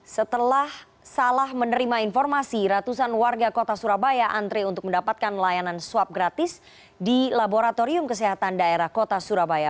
setelah salah menerima informasi ratusan warga kota surabaya antre untuk mendapatkan layanan swab gratis di laboratorium kesehatan daerah kota surabaya